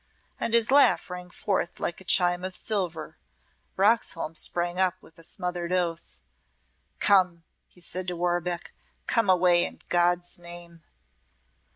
And his laugh rang forth like a chime of silver. Roxholm sprang up with a smothered oath. "Come!" he said to Warbeck. "Come away, in God's name."